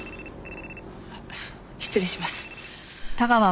失礼します。